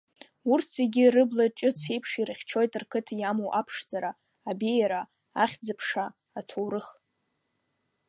Урҭ зегьы рыбла ҷыц еиԥш ирыхьчоит рқыҭа иамоу аԥшӡара, абеиара, ахьӡ-аԥша, аҭоурых.